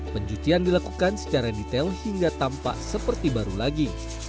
pencucian dilakukan secara detail hingga tampak seperti baru lagi